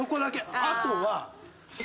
あとは。